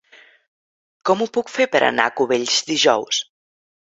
Com ho puc fer per anar a Cubells dijous?